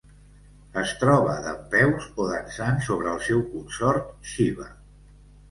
Es troba dempeus, o dansant sobre el seu consort Xiva.